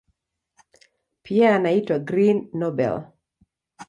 Pia inaitwa "Green Nobel".